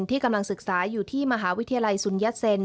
ที่กำลังศึกษาอยู่ที่มหาวิทยาลัยสุนยัสเซ็น